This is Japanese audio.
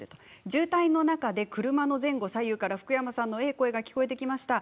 渋滞の中で車の前後左右から福山さんのいい声が聞こえてきました。